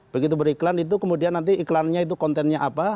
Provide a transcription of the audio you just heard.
begitu beriklan itu kemudian nanti iklannya itu kontennya apa